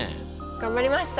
頑張りました！